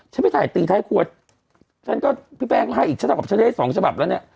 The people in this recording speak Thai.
ฉันไปถ่ายตีไทยครัวฉันก็พี่แป้งให้อีกฉันได้สองฉบับแล้วเนี่ย